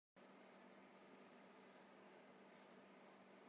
O jooɗi, semteende naŋgi mo.